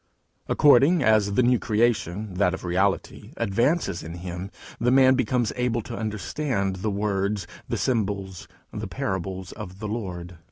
According as the new creation, that of reality, advances in him, the man becomes able to understand the words, the symbols, the parables of the Lord.